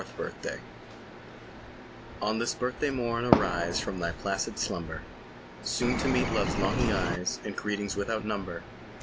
ON this Birthday morn arise From thy placid slumber! Soon to meet love's longing eyes And greetings without number.